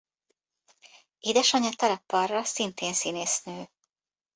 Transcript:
Édesanyja Tara Parra szintén színésznő.